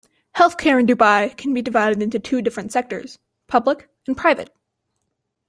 Healthcare in Dubai can be divided into two different sectors: public and private.